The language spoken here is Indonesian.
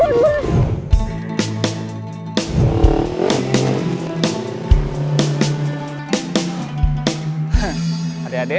turun kalau lo tunggu